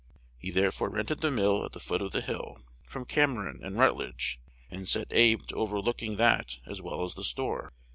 He therefore rented the mill at the foot of the hill, from Cameron and Rutledge, and set Abe to overlooking that as well as the store.